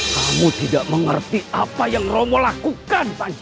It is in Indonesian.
kamu tidak mengerti apa yang romo lakukan